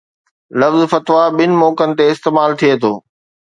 لفظ فتويٰ ٻن موقعن تي استعمال ٿئي ٿو